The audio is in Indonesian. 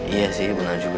iya sih beneran juga